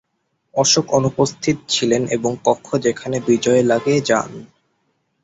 অশোক অনুপস্থিত ছিল এবং কক্ষ যেখানে বিজয় লাগে যান।